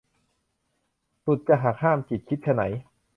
สุดจะหัก ห้ามจิต คิดไฉน